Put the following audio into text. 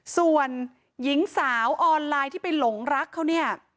ส่วนหญิงสาวออนไลน์ที่ไปหลงรักเขาเนี่ย